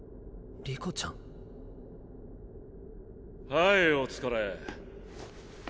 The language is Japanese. はいお疲れ。